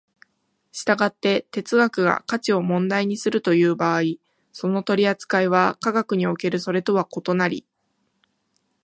従って哲学が価値を問題にするという場合、その取扱いは科学におけるそれとは異なり、